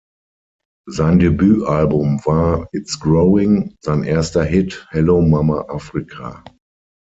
Sein Debüt-Album war „It's Growing“, sein erster Hit „Hello Mama Africa“.